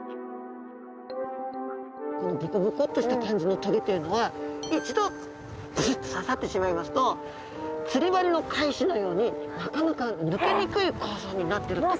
このボコボコっとした感じの棘っていうのは一度ぶすっと刺さってしまいますと釣り針の返しのようになかなか抜けにくい構造になってると考えられています。